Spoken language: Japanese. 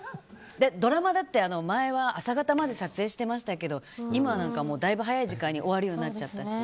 ドラマだって前は朝方まで撮影してましたけど今なんかだいぶ早い時間に終わるようになっちゃったし。